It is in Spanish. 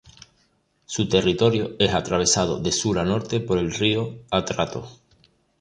Su territorio es atravesado de sur a norte por el río Atrato.